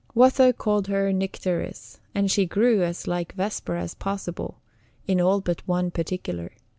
Watho called her Nycteris, and she grew as like Vesper as possible in all but one particular.